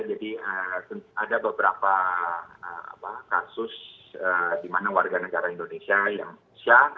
jadi ada beberapa kasus di mana warga negara indonesia yang siap